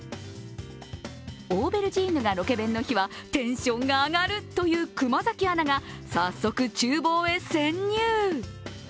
オーベルジーヌがロケ弁の日はテンションが上がるという熊崎アナが早速、ちゅう房へ潜入。